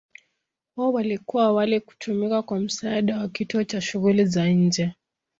Wao walikuwa awali kutumika kwa msaada wa kituo cha shughuli za nje.